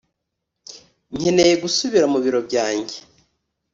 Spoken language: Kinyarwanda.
nkeneye gusubira mu biro byanjye